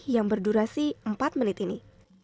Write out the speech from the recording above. yang berdurasi empat menit ini